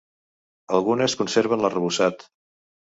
Algunes conserven l'arrebossat.